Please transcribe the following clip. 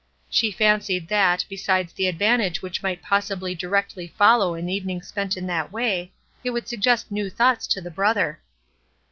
She fancied that, besides the advantage which might possibly directly follow an evening spent in that way, it would suggest new thoughts to the brother.